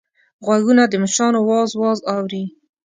غوږونه د مچانو واز واز اوري